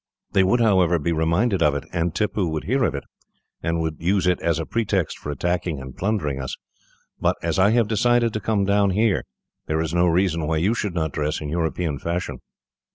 They would, however, be reminded of it, and Tippoo would hear of it, and would use it as a pretext for attacking and plundering us. But, as I have decided to come down here, there is no reason why you should not dress in European fashion."